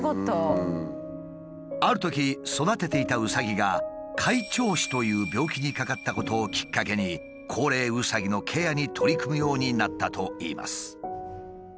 あるとき育てていたうさぎが開帳肢という病気にかかったことをきっかけに高齢うさぎのケアに取り組むようになったといいます。